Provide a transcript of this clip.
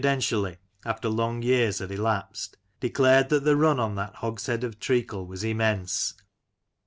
155 tially, after long years had elapsed, declared that the run on that hogshead of treacle was immense.